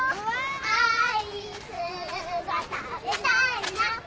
アイスが食べたいな。